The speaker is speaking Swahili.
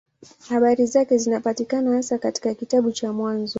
Habari zake zinapatikana hasa katika kitabu cha Mwanzo.